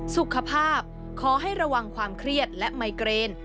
สุขภาพขอให้ระวังความเครียดและไมเกรน